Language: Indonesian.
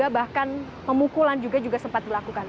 bahkan memukulan juga juga sempat dilakukan